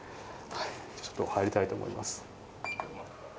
ちょっと入りたいと思います。